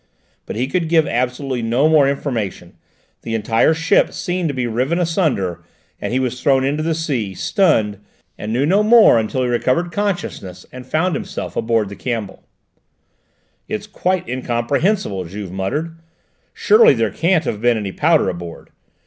But he could give absolutely no more information: the entire ship seemed to be riven asunder, and he was thrown into the sea, stunned, and knew no more until he recovered consciousness and found himself aboard the Campbell. "It's quite incomprehensible," Juve muttered; "surely there can't have been any powder aboard?